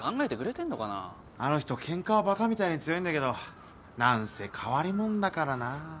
あの人ケンカはバカみたいに強いんだけどなんせ変わりもんだからなぁ。